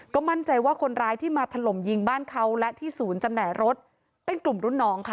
ก็มั่นใจว่าคนร้ายที่มาถล่มยิงบ้านเขาและที่ศูนย์จำหน่ายรถเป็นกลุ่มรุ่นน้องค่ะ